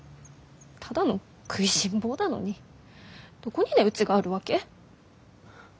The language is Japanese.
ただの食いしん坊だのにどこに値打ちがあるわけ？